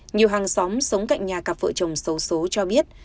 nhiều hàng xóm sống cạnh nhà cặp vợ chồng xấu số cho biết